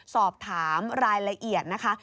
สอบถามรายละเอียดนะคะ